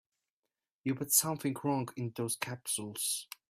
You put something wrong in those capsules.